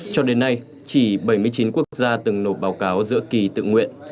cho đến nay chỉ bảy mươi chín quốc gia từng nộp báo cáo giữa kỳ tự nguyện